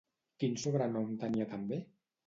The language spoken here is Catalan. Quin sobrenom tenia també?